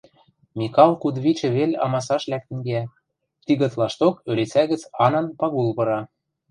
Микал кудывичӹ вел амасаш лӓктӹн кеӓ, тигытлашток ӧлицӓ гӹц Анан Пагул пыра.